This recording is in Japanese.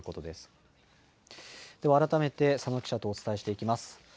では改めて、佐野記者とお伝えしてまいります。